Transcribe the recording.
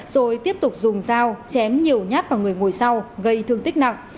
rồi tiếp tục dùng dao chém nhiều nhát vào người ngồi sau gây thương tích nặng